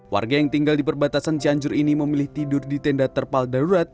warga yang tinggal di perbatasan cianjur ini memilih tidur di tenda terpal darurat